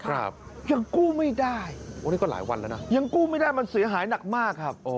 ครับยังกู้ไม่ได้โอ้นี่ก็หลายวันแล้วนะยังกู้ไม่ได้มันเสียหายหนักมากครับอ๋อ